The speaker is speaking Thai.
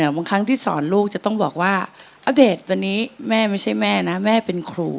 บางครั้งที่สอนลูกจะต้องบอกว่าอเดชตอนนี้แม่ไม่ใช่แม่นะแม่เป็นครู